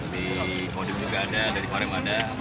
di podium juga ada dari pore mada